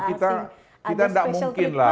kita tidak mungkin lah